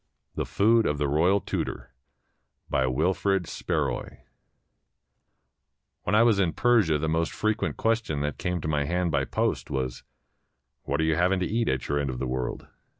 THE FOOD OF THE ROYAL TUTOR BY WILFRID SPARROY When I was in Persia the most frequent question that came to my hand by post was: " What are you having to eat at your end of the world?"